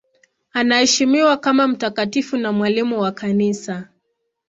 Anaheshimiwa kama mtakatifu na mwalimu wa Kanisa.